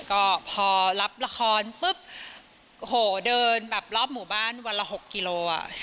ก็พอรับละครปุ๊บโอ้โหเดินแบบรอบหมู่บ้านวันละ๖กิโลอ่ะ